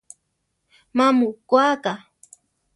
Má mu koáka?